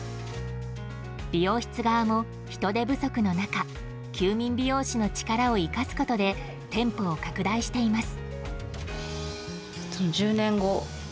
美容室側も人手不足の中休眠美容師の力を生かすことで店舗を拡大しています。